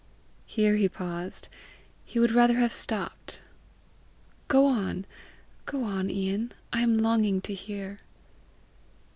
Here he paused. He would rather have stopped. "Go on, go on, Ian. I am longing to hear."